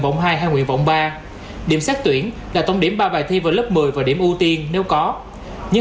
nguyện vọng hai hay nguyện vọng ba